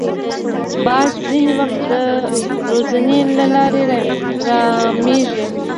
باز ځینې وخت د روزنې له لارې رامېږي